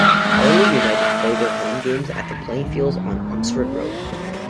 Ardley United play their home games at the Playing Fields on Oxford Road.